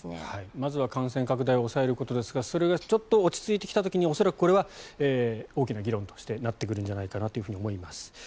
まずは感染拡大を抑えることですがそれがちょっと落ち着いてきた時に恐らくこれは大きな議論としてなってくるんじゃないかと思います。